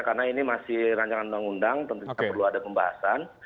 karena ini masih rancangan undang undang tentu saja perlu ada pembahasan